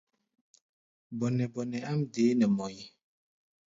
Bɔnɛ-bɔnɛ áʼm deé nɛ mɔʼí̧.